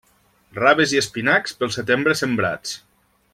Raves i espinacs, pel setembre sembrats.